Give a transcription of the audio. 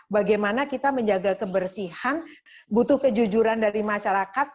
bagaimana kita menjaga kebersihan butuh kejujuran dari masyarakat